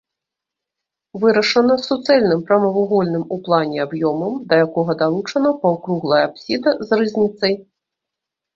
Вырашана суцэльным прамавугольным у плане аб'ёмам, да якога далучана паўкруглая апсіда з рызніцай.